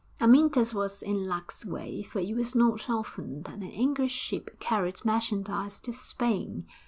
Amyntas was in luck's way, for it was not often that an English ship carried merchandise to Spain.